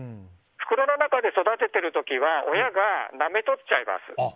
袋の中で育ててる時は親がなめとっちゃいます。